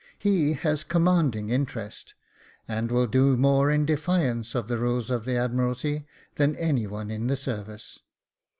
He has commanding interest, and will do more in defiance of the rules of the Admiralty, than any one in the service.